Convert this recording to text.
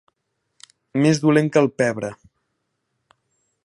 Més dolent que el pebre.